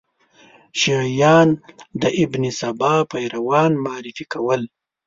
شیعیان د ابن سبا پیروان معرفي کول.